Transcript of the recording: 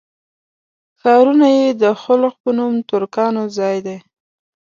ښارونه یې د خلُخ په نوم ترکانو ځای دی.